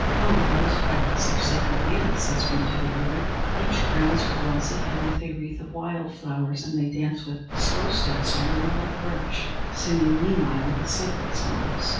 "Come, let us practise our sacred dance," says one to the other. Each crowns her glossy head with a wreath of wild flowers, and they dance with slow steps around the white birch, singing meanwhile the sacred songs.